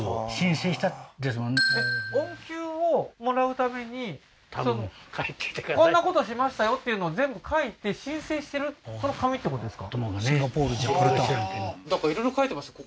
恩給をもらうためにこんなことしましたよっていうのを全部書いて申請してるその紙ってことですか？と思うがねはあーなんかいろいろ書いてますよ